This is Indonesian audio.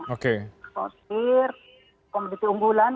eksportir komediti unggulan